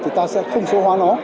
thì ta sẽ không số hóa nó